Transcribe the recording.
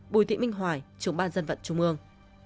bùi thị minh hoài trưởng ban dân vận trung ương